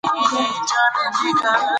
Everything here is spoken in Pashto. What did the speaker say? د دلارام خلک له خپلي خاورې سره ډېره مینه لري